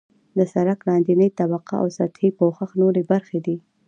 د سرک لاندنۍ طبقه او سطحي پوښښ نورې برخې دي